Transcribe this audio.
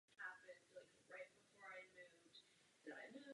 Nebude třeba iniciovat zlepšení, abychom dokázali zachovat to, co ochraňujeme?